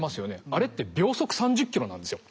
あれって秒速３０キロなんですよ。